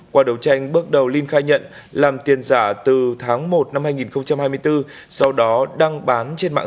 qua đấu tranh bước đầu linh khai nhận làm tiền giả từ tháng một năm hai nghìn hai mươi bốn sau đó đăng bán trên mạng